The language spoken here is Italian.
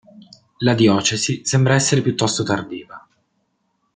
La diocesi sembra essere piuttosto tardiva.